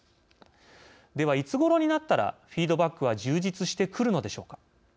では、いつごろになったらフィードバックは充実してくるのでしょうか。